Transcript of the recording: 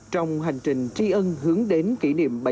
trong hành trình tri ân hướng đến các gia đình chính sách